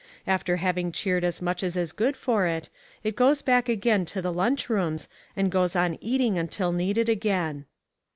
After having cheered as much as is good for it, it goes back again to the lunch rooms and goes on eating till needed again.